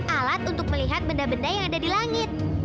alat untuk melihat benda benda yang ada di langit